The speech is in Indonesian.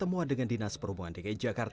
aturan perhubungan darat